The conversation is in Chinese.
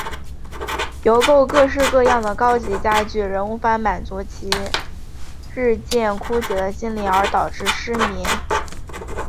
邮购各式各样的高级家具仍无法满足其日渐枯竭的心灵而导致失眠。